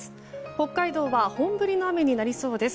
北海道は本降りの雨になりそうです。